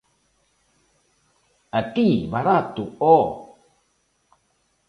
_A ti, barato, ¡ho!